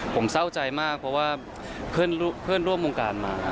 ผมเศร้าใจมากเพราะว่าเพื่อนร่วมวงการมา